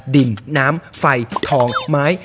ดินน้ำไฟทองไม้